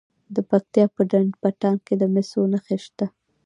د پکتیا په ډنډ پټان کې د مسو نښې شته.